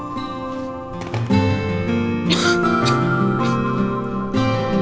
ya kita beres beres dulu